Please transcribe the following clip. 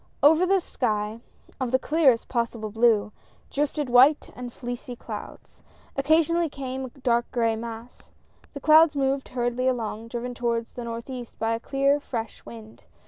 Over the sky — of the clearest possible blue — drifted white and fleecy clouds. Occasionally came a dark gray mass. The clouds moved hurriedl}^ along, driven towards the northeast by the clear fresh wind.